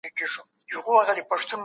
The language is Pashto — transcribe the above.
زه خپل عزت له سپکاوي ساتم.